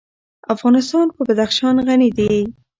افغانستان په بدخشان غني دی.